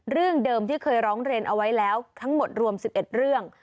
เรื่องเดิมที่เคยร้องเรียนเอาไว้แล้วทั้งหมดรวม๑๑เรื่อง